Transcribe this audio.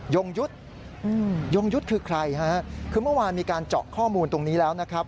ยงยุทธ์ยงยุทธ์คือใครฮะคือเมื่อวานมีการเจาะข้อมูลตรงนี้แล้วนะครับ